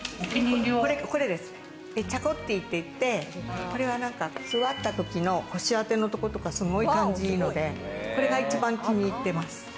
チェコッティって言って、座ったときに腰あてのとことかすごい感じいいので、これが一番気に入っています。